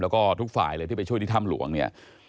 และก็ทุกฝ่ายเลยที่ไปช่วยธิธรรมหลวงเนี่ย